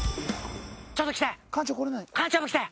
ちょっと来て！